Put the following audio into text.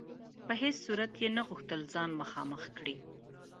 په هیڅ صورت یې نه غوښتل ځان مخامخ کړي.